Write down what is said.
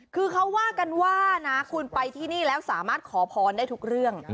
คือเขาว่ากันว่านะคุณไปที่นี่แล้วสามารถขอพรได้ทุกเรื่อง